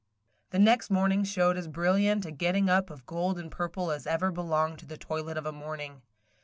THE next morning showed as brilliant a getting up of gold and purple as ever belonged to the toilet of a morning.